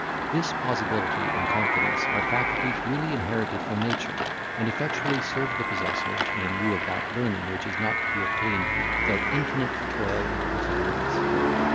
This plausibility and confidence are faculties really inherited from nature, and effectually serve the possessor, in lieu of that learning which is not to be obtained without infinite toil and perseverance.